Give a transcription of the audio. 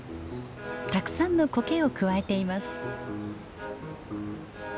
たくさんのコケをくわえています。